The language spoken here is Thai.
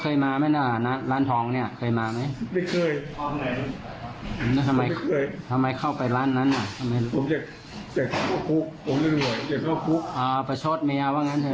คราวนี้ยิ่งหนักเลยอ่ะ